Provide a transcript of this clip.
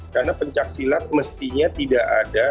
karena pencaksilan mestinya tidak ada